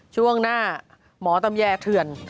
ช่วงหน้าหมอตำแยเถื่อน